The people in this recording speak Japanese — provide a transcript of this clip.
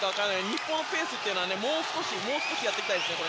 日本のペースでもう少しやっていきたいですね。